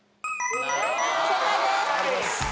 正解です。